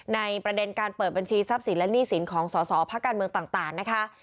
ในประเด็นการเปิดบัญชีทรัพย์สินและหนี้สินของสอสอพักการเมืองต่างนะคะ